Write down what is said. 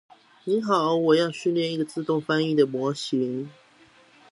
你好，我要訓練一個自動翻譯的模型